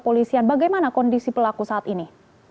polisian bagaimana kondisi pelaku saat ini